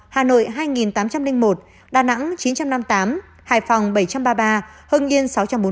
hà nội hai tám trăm linh một đà nẵng chín trăm năm mươi tám hải phòng bảy trăm ba mươi ba hưng yên sáu trăm bốn mươi